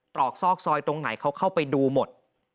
ตรอกซอกซอยตรงไหนเขาเข้าไปดูหมด